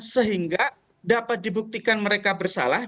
sehingga dapat dibuktikan mereka bersalah